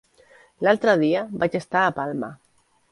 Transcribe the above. L'altre dia vaig estar a Palma.